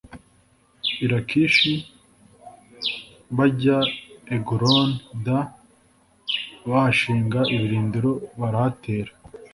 i lakishi bajya eguloni d bahashinga ibirindiro barahatera